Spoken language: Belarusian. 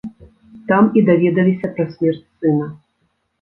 Там і даведаліся пра смерць сына.